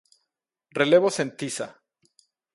Relevos en tiza.